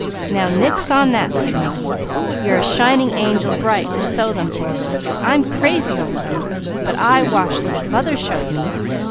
"Now nix on that!" said Mickey. "You're a shining angel bright to sew them for her, I'm crazy over them, but I wash them. Mother showed me.